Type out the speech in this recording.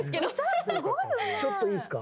ちょっといいですか？